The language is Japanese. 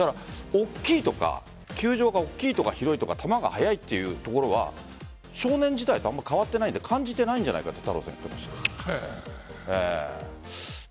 だから球場が大きいとか広いとか球が速いというところは少年時代とあまり変わっていない感じていないんじゃないかと言っていました。